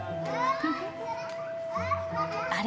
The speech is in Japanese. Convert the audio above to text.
あれ？